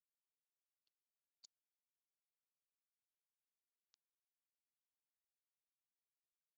三十一年诏天下学官改授旁郡州县。